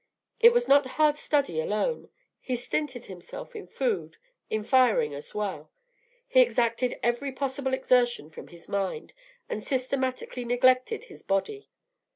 It was not hard study alone; he stinted himself in food, in firing as well; he exacted every possible exertion from his mind, and systematically neglected his body.